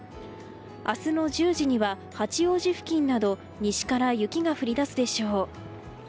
明日の１０時には八王子付近など西から雪が降り出すでしょう。